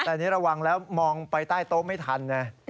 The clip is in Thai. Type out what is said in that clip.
แต่อันนี้ระวังแล้วมองไปใต้โต๊ะไม่ทันนะ